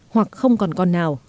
hoặc không còn con nào